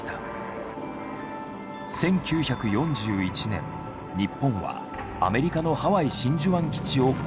１９４１年日本はアメリカのハワイ真珠湾基地を攻撃。